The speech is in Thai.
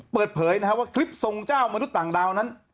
เปิดเผยนะครับว่าคลิปทรงเจ้ามนุษย์ต่างดาวนั้น